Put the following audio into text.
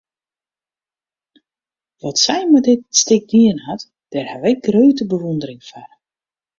Wat sy mei dit stik dien hat, dêr haw ik grutte bewûndering foar.